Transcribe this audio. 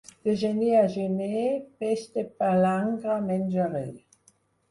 De gener a gener, peix de palangre menjaré.